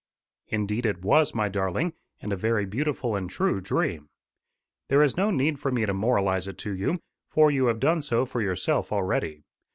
"Indeed it was, my darling and a very beautiful and true dream. There is no need for me to moralise it to you, for you have done so for yourself already.